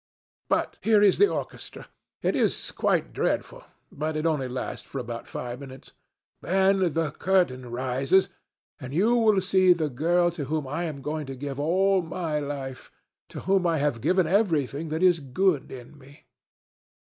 But here is the orchestra. It is quite dreadful, but it only lasts for about five minutes. Then the curtain rises, and you will see the girl to whom I am going to give all my life, to whom I have given everything that is good in me."